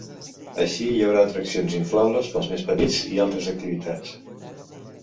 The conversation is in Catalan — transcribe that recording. Així hi haurà atraccions inflables pels més petits i altres activitats.